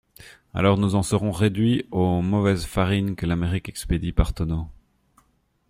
Alors, nous en serons réduits aux mauvaises farines que l'Amérique expédie par tonneaux.